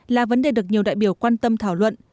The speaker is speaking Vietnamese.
là vấn đề được nhiều đại biểu quan tâm thảo luận